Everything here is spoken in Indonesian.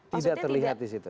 tidak terlihat di situ